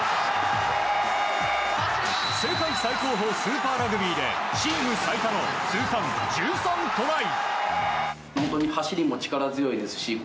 世界最高峰スーパーラグビーでチーム最多の通算１３トライ。